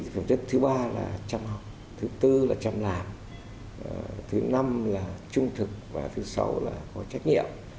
phẩm chất thứ ba là chăm học thứ tư là chăm làm thứ năm là trung thực và thứ sáu là có trách nhiệm